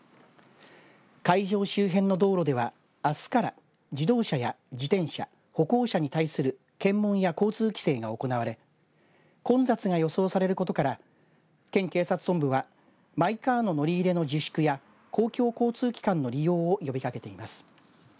会場周辺の道路ではあすから自動車や自転車歩行者に対する検問や交通規制が行われ混雑が予想されることから県警察本部はマイカーの乗り入れの自粛や公共交通機関の利用を呼びかけています。